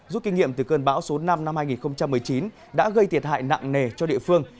rút kinh nghiệm từ cơn bão số năm năm hai nghìn một mươi chín đã gây thiệt hại nặng nề cho địa phương